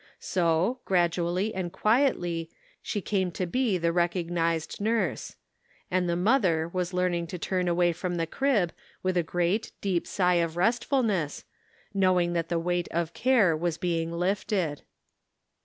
So, gradually and quietly, she came to be the re cognized nurse ; and the mother was learning to turn away from the crib with a great, deep sigh of restfulness, knowing that the weight of care was being lifted.